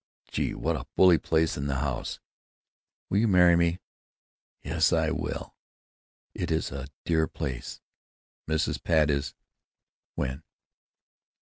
Gee! what a bully place. And the house!... Will you marry me?" "Yes, I will!... It is a dear place. Mrs. Pat is——" "When?"